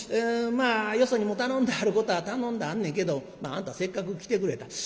まあよそにも頼んであることは頼んであるねんけどまああんたせっかく来てくれた。